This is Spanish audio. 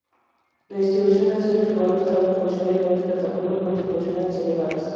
La distribución del centro urbano estaba en función de grandes plataformas multifuncionales elevadas.